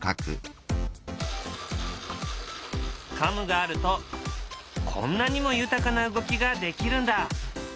カムがあるとこんなにも豊かな動きができるんだ。